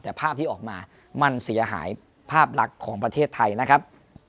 แต่ภาพที่ออกมามันเสียหายภาพลักษณ์ของประเทศไทยนะครับ